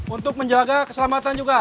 untuk menjaga keselamatan juga